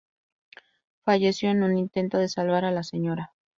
Falleció en un intento de salvar a la Sra.